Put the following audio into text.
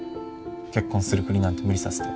結婚するふりなんて無理させて。